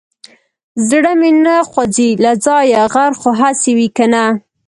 زړه مې نه خوځي له ځايه غر خو هسي وي که نه.